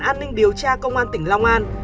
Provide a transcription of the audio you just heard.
an ninh điều tra công an tỉnh long an